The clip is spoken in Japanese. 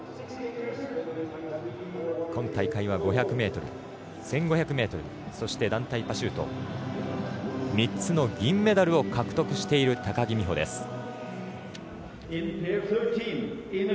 今大会は５００ｍ１５００ｍそして団体パシュート３つの銀メダルを獲得している高木美帆です。